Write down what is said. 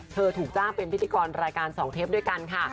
ถูกจ้างเป็นพิธีกรรายการ๒เทปด้วยกันค่ะ